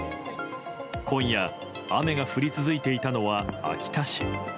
今夜、雨が降り続いていたのは秋田市。